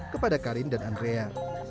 kepada karin dan andrea